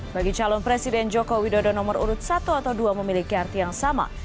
bagi calon presiden joko widodo nomor urut satu atau dua memiliki arti yang sama